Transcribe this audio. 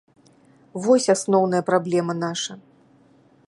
Вось асноўная праблема наша.